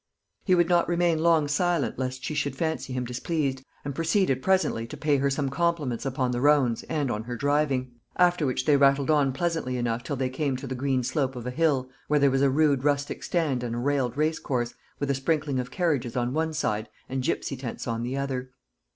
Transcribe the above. He would not remain long silent, lest she should fancy him displeased, and proceeded presently to pay her some compliments upon the roans, and on her driving; after which they rattled on pleasantly enough till they came to the green slope of a hill, where there was a rude rustic stand and a railed racecourse, with a sprinkling of carriages on one side and gipsy tents on the other.